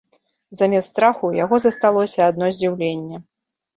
Замест страху ў яго засталося адно здзіўленне.